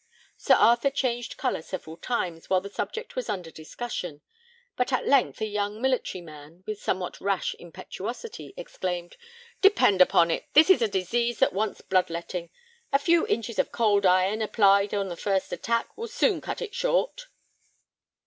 Sir Arthur changed colour several times while the subject was under discussion; but at length a young military man, with somewhat rash impetuosity, exclaimed, "Depend upon it, this is a disease that wants blood letting. A few inches of cold iron, applied on the first attack, will soon cut it short."